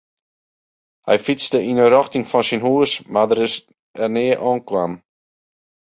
Hy fytste yn 'e rjochting fan syn hús mar dêr is er nea oankommen.